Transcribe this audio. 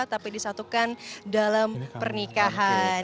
tapi disatukan dalam pernikahan